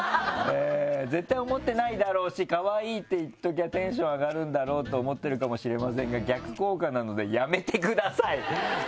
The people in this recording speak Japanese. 「絶対思ってないだろうし『可愛い』って言っときゃテンション上がるだろうと思ってるかもしれませんが逆効果なのでやめて下さい」。